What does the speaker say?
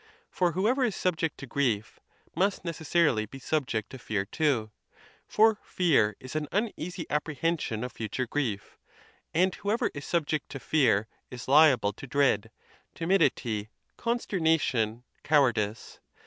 For whoever is subject to grief must necessarily be subject to fear too, for fear is an un easy apprehension of future grief ; and whoever is subject to fear is liable to dread, timidity, consternation, coward ice.